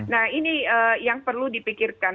nah ini yang perlu dipikirkan